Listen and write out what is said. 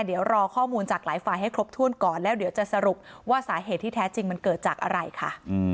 เดี๋ยวรอข้อมูลจากหลายฝ่ายให้ครบถ้วนก่อนแล้วเดี๋ยวจะสรุปว่าสาเหตุที่แท้จริงมันเกิดจากอะไรค่ะ